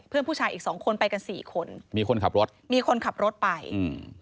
ผู้ชายอีกสองคนไปกันสี่คนมีคนขับรถมีคนขับรถไปอืม